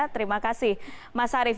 terima kasih mas arief